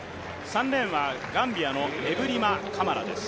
３レーンはガンビアのエブリマ・カマラです。